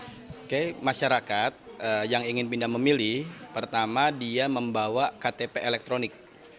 oke masyarakat yang ingin pindah memilih pertama dia membawa ktp elektronik